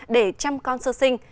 để trăm con sơ sinh